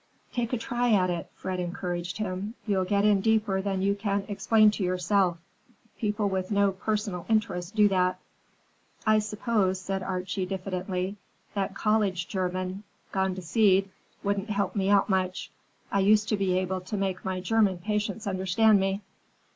"Take a try at it," Fred encouraged him. "You'll get in deeper than you can explain to yourself. People with no personal interest do that." "I suppose," said Archie diffidently, "that college German, gone to seed, wouldn't help me out much. I used to be able to make my German patients understand me."